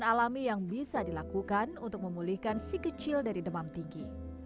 dan alami yang bisa dilakukan untuk memulihkan si kecil dari demam tinggi